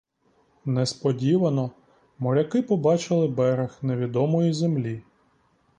Несподівано моряки побачили берег невідомої землі.